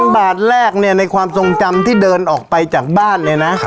บาทแรกเนี่ยในความทรงจำที่เดินออกไปจากบ้านเนี่ยนะ